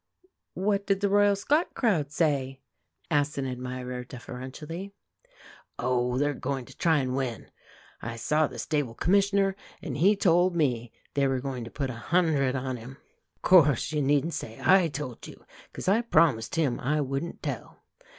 "What did the Royal Scot crowd say?" asks an admirer deferentially. "Oh, they're going to try and win. I saw the stable commissioner, and he told me they were going to put a hundred on him. Of course, you needn't say I told you, 'cause I promised him I wouldn't tell."